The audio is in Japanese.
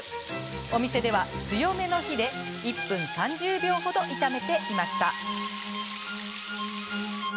お店では、強めの火で１分３０秒程、炒めていました。